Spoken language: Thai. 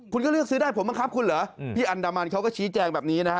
คุณก็เลือกซื้อได้ผมบังคับคุณเหรอพี่อันดามันเขาก็ชี้แจงแบบนี้นะฮะ